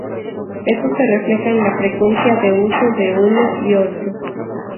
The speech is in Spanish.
Eso se refleja en la frecuencia de uso de uno y otro.